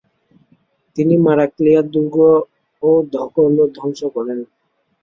তিনি মারাক্লিয়ার দুর্গও দখল ও ধ্বংস করেন।